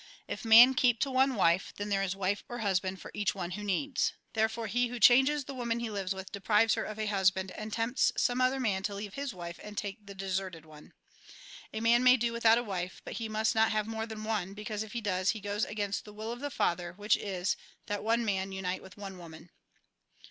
If one man keep to one wife, then there is wife or husband for each one who needs. Therefore he who changes the woman he lives with, deprives her of a husband, and tempts some other man to leave his wife and take the deserted one. A man may do without a wife, but he must not have more than one, because if he does, he goes against the will of the Father, which is, that one man unite with one woman.